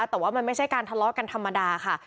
แต่ว่ามันไม่ใช่การทะเลาะกันธรรมดาค่ะ